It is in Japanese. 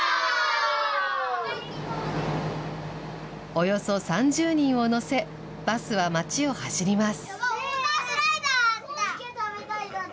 およそ３０人を乗せ、バスは町を走ります。